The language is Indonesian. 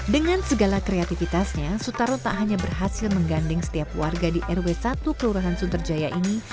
dengan segala kreativitasnya sutarno tak hanya berhasil menggandeng setiap warga di rw satu kelurahan sunterjaya ini